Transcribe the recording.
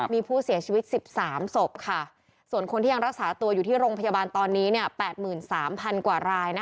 มีผู้เสียชีวิต๑๓ศพค่ะส่วนคนที่ยังรักษาตัวอยู่ที่โรงพยาบาลตอนนี้๘๓๐๐กว่าราย